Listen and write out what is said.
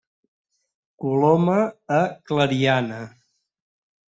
Coloma a Clariana.